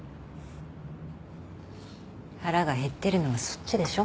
腹が減ってるのはそっちでしょ？